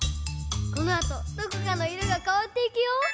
このあとどこかのいろがかわっていくよ！